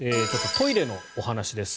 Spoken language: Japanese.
トイレのお話です。